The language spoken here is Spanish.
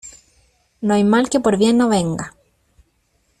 No hay mal que por bien no venga.